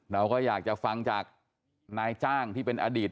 เราก็อยากจะฟังจากนายจ้างที่เป็นอดีต